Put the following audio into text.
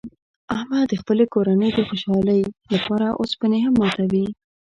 احمد د خپلې کورنۍ د خوشحالۍ لپاره اوسپنې هم ماتوي.